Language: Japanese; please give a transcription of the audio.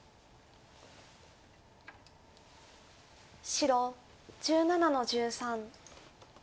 白１７の十三。